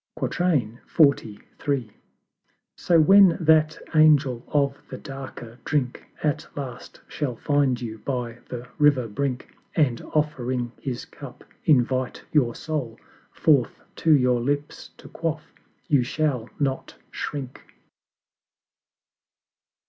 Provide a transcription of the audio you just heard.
XLIII. So when that Angel of the darker Drink At last shall find you by the river brink, And, offering his Cup, invite your Soul Forth to your Lips to quaff you shall not shrink.